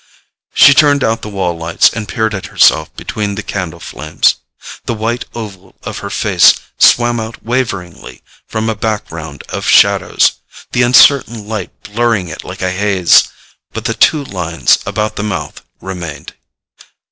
She turned out the wall lights, and peered at herself between the candle flames. The white oval of her face swam out waveringly from a background of shadows, the uncertain light blurring it like a haze; but the two lines about the mouth remained.